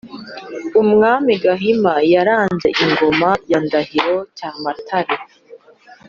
umwami gahima yaraze ingoma ye ndahiro cyamatare.